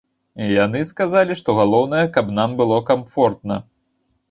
Яны сказалі, што галоўнае, каб нам было камфортна.